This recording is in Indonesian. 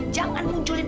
jangan munculin dia